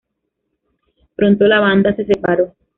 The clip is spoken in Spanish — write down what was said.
Pronto, la banda se separó.